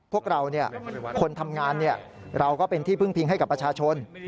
พวกเราคนทำงานเราก็เป็นที่พึ่งพิงให้กับประชาชน